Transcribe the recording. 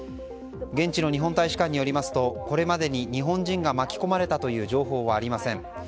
現地の日本大使館によりますとこれまでに日本人が巻き込まれたという情報はありません。